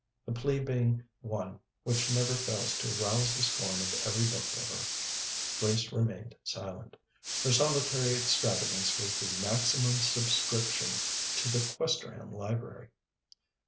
The plea being one which never fails to rouse the scorn of every book lover, Grace remained silent. Her solitary extravagance was the maximum subscription to the Questerham library.